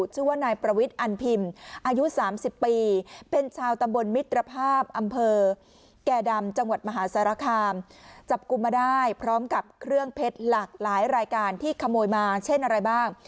จับกลุ้มมาได้พร้อมกับเครื่องเพชรหลากหลายรายการที่ขโมยมาเช่นอะไรบ้าง